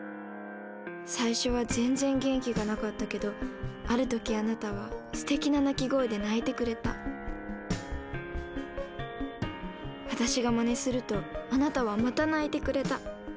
最初は全然元気がなかったけどある時あなたはすてきな鳴き声で鳴いてくれた私がまねするとあなたはまた鳴いてくれた。